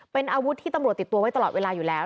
เป็นอาวุธที่ตำรวจติดตัวไว้ตลอดเวลาอยู่แล้ว